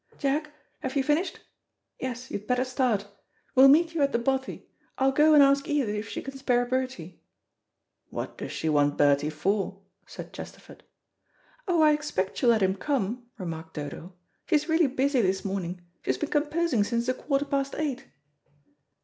Jack, have you finished? Yes, you'd better start. We'll meet you at the bothy. I'll go and ask Edith if she can spare Bertie." "What does she want Bertie for?" said Chesterford. "Oh, I expect she'll let him come," remarked Dodo; "she's really busy this morning. She's been composing since a quarter past eight."